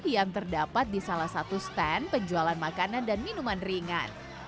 yang terdapat di salah satu stand penjualan makanan dan minuman ringan